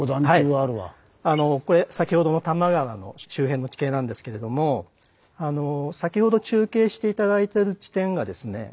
これ先ほどの多摩川の周辺の地形なんですけれども先ほど中継して頂いてる地点がですね